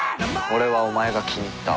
「俺はお前が気に入った」